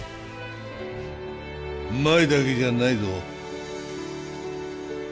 うまいだけじゃないぞ。